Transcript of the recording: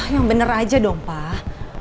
yang bener aja dong pak